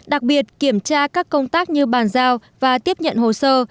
đặc biệt kiểm tra các công tác như bàn giao và tiếp nhận hồ sơ